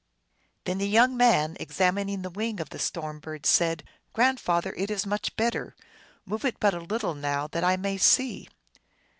Then the young man, examining the wing of the storm bird, said, " Grandfather, it is much better ; move it but a little now, that I may see